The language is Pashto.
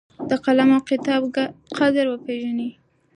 د قلم او کتاب قدر وپېژنئ.